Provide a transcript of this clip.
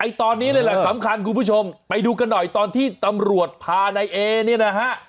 ตอนนี้เลยแหละสำคัญคุณผู้ชมไปดูกันหน่อยตอนที่ตำรวจพานายเอเนี่ยนะฮะ